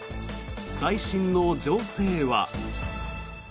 最新の情勢は。